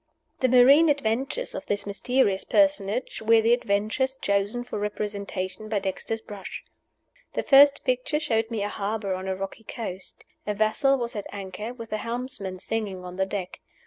The marine adventures of this mysterious personage were the adventures chosen for representation by Dexter's brush. The first picture showed me a harbor on a rocky coast. A vessel was at anchor, with the helmsman singing on the deck.